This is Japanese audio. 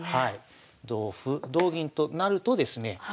同歩同銀となるとですね